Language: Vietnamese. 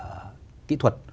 và công nghiệp tổ thủy